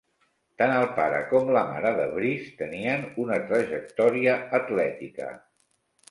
Tant el pare com la mare de Brees tenien una trajectòria atlètica.